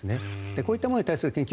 こういったものに対する研究